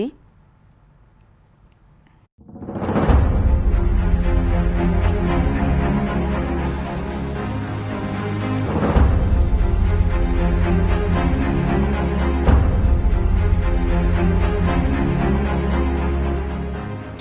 trí vết ngay